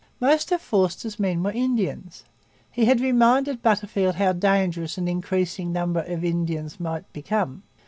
Most of Forster's men were Indians. He had reminded Butterfield how dangerous an increasing number of Indians might become.